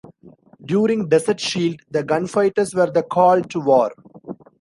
During Desert Shield the Gunfighters were the called to war.